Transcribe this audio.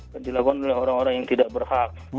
dan dilakukan oleh orang orang yang tidak berhak